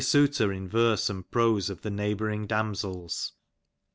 suitor In yerse and prose of the neighbouring damsels.